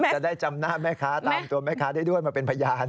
จะได้จำหน้าแม่ค้าตามตัวแม่ค้าได้ด้วยมาเป็นพยาน